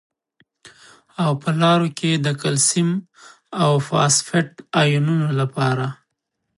او په لاړو کې د کلسیم او فاسفیټ ایونونو لپاره